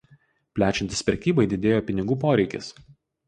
Plečiantis prekybai didėjo pinigų poreikis.